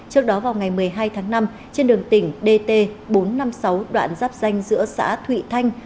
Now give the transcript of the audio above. trước đó vào ngày một mươi hai tháng năm trên đường tỉnh dt bốn trăm năm mươi sáu đoạn giáp danh giữa xã thụy thanh